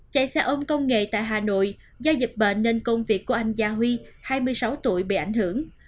chạy xe ôm công nghệ tại hà nội do dịch bệnh nên công việc của anh gia huy hai mươi sáu tuổi bị ảnh hưởng